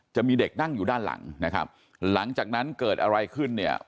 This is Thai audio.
จะมีเด็กนั่งอยู่ด้านหลังนะครับหลังจากนั้นเกิดอะไรขึ้นเนี่ย